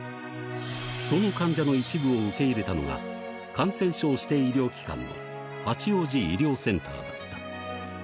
その患者の一部を受け入れたのが、感染症指定医療機関の八王子医療センターだった。